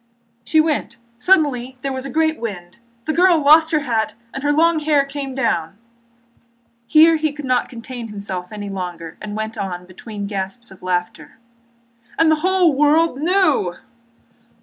"She went. Suddenly there was a great wind. The girl lost her hat and her long hair came down...." Here he could contain himself no longer and went on, between gasps of laughter: "And the whole world knew...."